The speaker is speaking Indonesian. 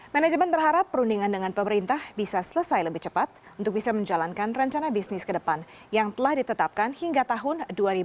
manajemen berharap perundingan dengan pemerintah bisa selesai lebih cepat untuk bisa menjalankan rencana bisnis ke depan yang telah ditetapkan hingga tahun dua ribu dua puluh